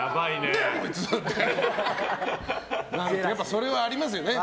それはありますよね。